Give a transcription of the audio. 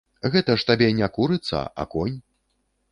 Гэта ж табе не курыца, а конь.